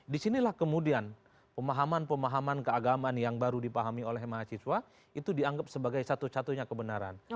disinilah kemudian pemahaman pemahaman keagamaan yang baru dipahami oleh mahasiswa itu dianggap sebagai satu satunya kebenaran